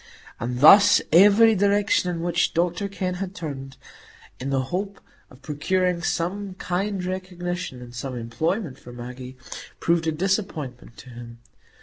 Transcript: And thus every direction in which Dr Kenn had turned, in the hope of procuring some kind recognition and some employment for Maggie, proved a disappointment to him.